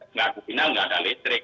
enggak ada bukina enggak ada listrik